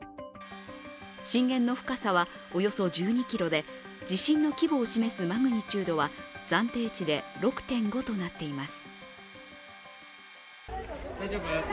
震源の深さはおよそ１２ｋｍで地震の規模を示すマグニチュードは暫定値で６．５となっています。